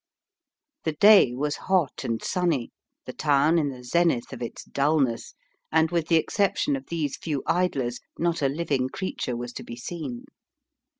The day was hot and sunny, the town in the zenith of its dulness, and with the exception of these few idlers, not a living creature was to be seen.